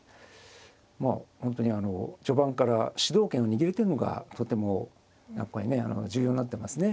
まあ本当に序盤から主導権を握るっていうのがとてもやっぱりね重要になってますね。